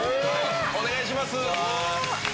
お願いします。